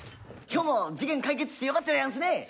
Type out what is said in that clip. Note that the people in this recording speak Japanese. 今日も事件解決してよかったでやんすね。